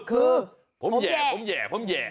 คือผมแห่ผมแห่ผมแย่